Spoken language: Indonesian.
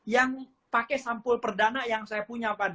yang pakai sampul perdana yang saya punya